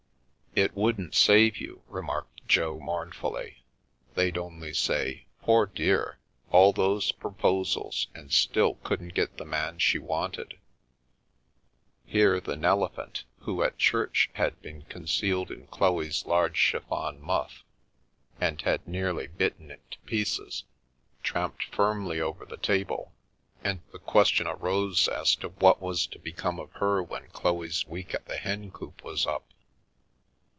" It wouldn't save you," remarked Jo, mournfully, " they'd only say, ' Poor dear ! All those proposals, and still couldn't get the man she wanted !'" Here the Nelephant, who at church had been con The View from the Attic cealed in Chloe's large chiffon mufljgpind had nearly bit ten it to pieces), tramped firmly over the table, and the question arose as to what was to become of her when Chloe's week at the Hencoop was up.